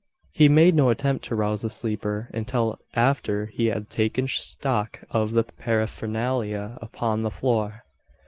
He made no attempt to rouse the sleeper, until after he had taken stock of the paraphernalia upon the floor.